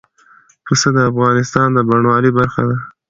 پسه د افغانستان د بڼوالۍ برخه ده.